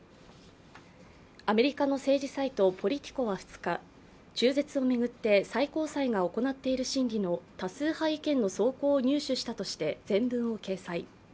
アメリカの政治サイト、ポリティコは２日、中絶を巡って最高裁が行っている審議の多数派意見の草稿を入手したとして全文を掲載。